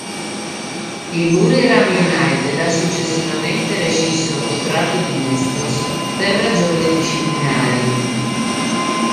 Il Buriram United ha successivamente rescisso il contratto di Bustos per ragioni disciplinari.